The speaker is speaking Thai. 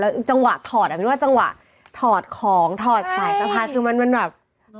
จังหวะถอดอ่ะเป็นว่าจังหวะถอดของถอดสายสะพายคือมันแบบ